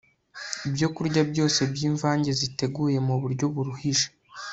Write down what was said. Ibyokurya byose byimvange ziteguye mu buryo buruhije